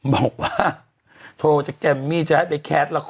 บอกว่าโทรจากแกรมมี่จะให้ไปแคสละคร